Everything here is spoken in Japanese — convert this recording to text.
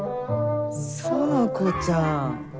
園子ちゃん。